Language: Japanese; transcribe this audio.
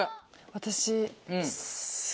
私。